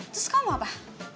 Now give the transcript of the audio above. terus kamu apa